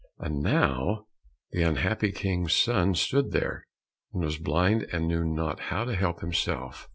And now the unhappy King's son stood there, and was blind and knew not how to help himself.